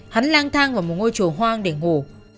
hắn lang thang vào một ngôi chùa hoang để ngủ